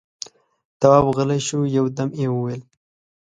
تواب غلی شو، يودم يې وويل: